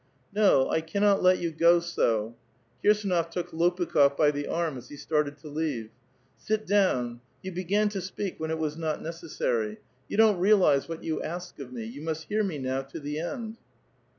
'*No, I cannot let you go so." Kirsdnof took Lopukh6f ^y the arm as he started to leave. " Sit down ; you began "^o speak when it was not necessary. You don't realize 'What you ask of me. You must hear me now to the end."